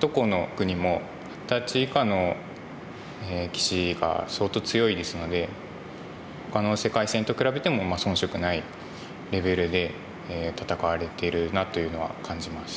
どこの国も二十歳以下の棋士が相当強いですのでほかの世界戦と比べてもそん色ないレベルで戦われてるなというのは感じます。